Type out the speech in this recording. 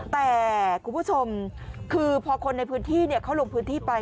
แต่คุณผู้ชมคือพอคนในพื้นที่เขาลงพื้นที่ไป